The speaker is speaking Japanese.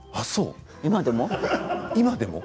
今でも？